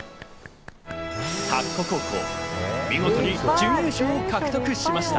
田子高校、見事に準優勝を獲得しました。